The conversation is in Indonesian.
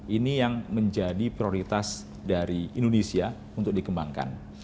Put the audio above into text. ini yang menjadi prioritas dari indonesia untuk dikembangkan